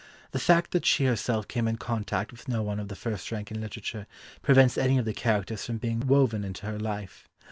The fact that she herself came in contact with no one of the first rank in literature prevents any of the characters from being woven into her life.